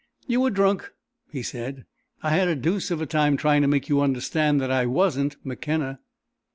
"You were drunk," he said. "I had a deuce of a time trying to make you understand that I wasn't McKenna."